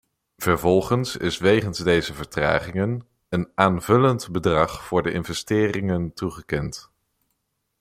Vervolgens is wegens deze vertragingen een aanvullend bedrag voor de investeringen toegekend.